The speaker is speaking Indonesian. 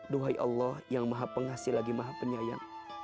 duhai allah yang maha pengasih lagi maha penyayang